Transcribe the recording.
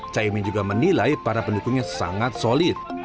caimin juga menilai para pendukungnya sangat solid